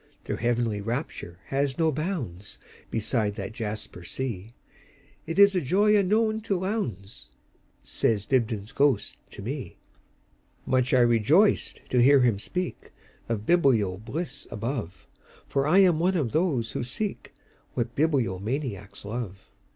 Their heavenly rapture has no boundsBeside that jasper sea; It is a joy unknown to Lowndes,"Says Dibdin's ghost to me. Much I rejoiced to hear him speakOf biblio bliss above, For I am one of those who seekWhat bibliomaniacs love.